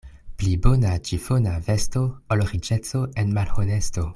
Pli bona ĉifona vesto, ol riĉeco en malhonesto.